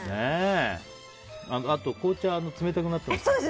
あと、紅茶が冷たくなってます。